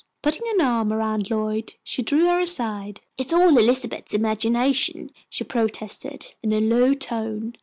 Putting an arm around Lloyd, she drew her aside. "It is all Elizabeth's imagination," she protested, in a low tone.